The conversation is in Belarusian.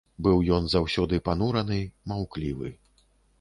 Быў ён заўсёды панураны, маўклівы.